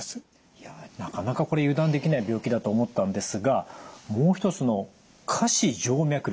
いやなかなかこれ油断できない病気だと思ったんですがもう一つの下肢静脈瘤